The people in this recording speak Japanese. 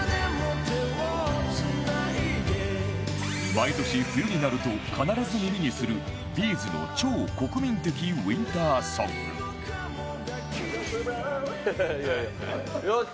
毎年冬になると必ず耳にする Ｂ’ｚ の超国民的ウィンターソングよし！